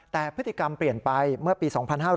แต่พฤติกรรมเปลี่ยนไปเมื่อปี๒๕๕๙